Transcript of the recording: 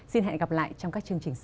xin hẹn gặp lại trong các chương trình sau